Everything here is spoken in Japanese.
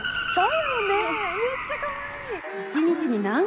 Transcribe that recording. だよねめっちゃかわいい！